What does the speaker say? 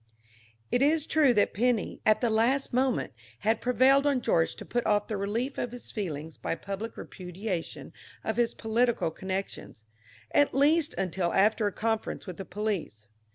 It is true that Penny, at the last moment, had prevailed on George to put off the relief of his feelings by public repudiation of his political connections, at least until after a conference with the police.